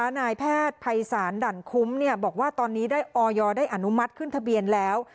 นายแพทย์ภัยศาลดั่นคุ้มบอกว่าตอนนี้ได้ออยได้อนุมัติขึ้นทะเบียนแล้ว